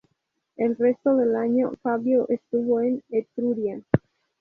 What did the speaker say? El resto del año Fabio estuvo en Etruria.